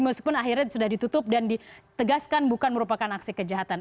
meskipun akhirnya sudah ditutup dan ditegaskan bukan merupakan aksi kejahatan